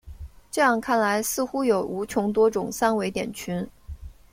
这样看来似乎有无穷多种三维点群。